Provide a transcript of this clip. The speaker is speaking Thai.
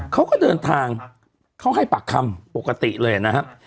เขาก็เดินทางเขาให้ปากคำปกติเลยนะครับ